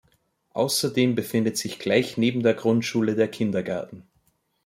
Außerdem befindet sich gleich neben der Grundschule der Kindergarten.